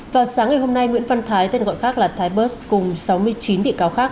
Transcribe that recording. vào sáng ngày hôm nay nguyễn văn thái tên gọi khác là thái bớt cùng sáu mươi chín bị cáo khác